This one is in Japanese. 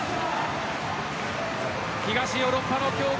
東ヨーロッパの強豪